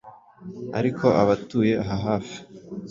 ariko abatuye aha hafi,